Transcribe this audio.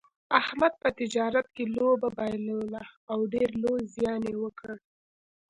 احمد په تجارت کې لوبه بایلوله او ډېر لوی زیان یې وکړ.